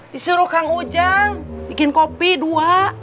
disuruh kang ujang bikin kopi dua